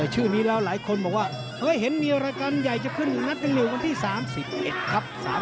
ชื่อนี้แล้วหลายคนบอกว่าเฮ้ยเห็นมีรายการใหญ่จะขึ้นนัดหนึ่งวันที่๓๑ครับ